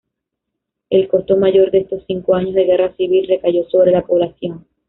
El costo mayor de estos cinco años de guerra civil recayó sobre la población.